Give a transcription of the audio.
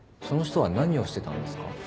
その人は何をしてたんですか？